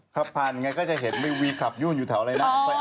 ขับทานอย่างนั้นก็จะเห็นวีคับยุ่นอยู่แถวอะไรอย่างนั้น